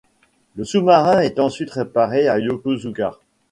Le sous-marin est ensuite réparé à Yokosuka.